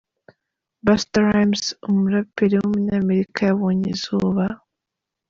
Busta Rhymes, umuperi w’umunyamerika yabonye izuba.